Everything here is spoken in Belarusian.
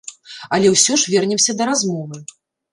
Але ўсё ж вернемся да размовы.